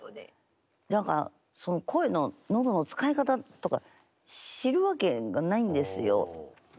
何かその声の喉の使い方とか知るわけがないんですよ。